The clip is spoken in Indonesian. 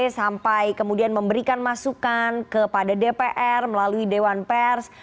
sampai kemudian memberikan masukan kepada dpr melalui dewan pers